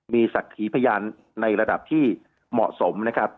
มีศักดิ์ขีพยานในระดับที่เหมาะสมนะครับ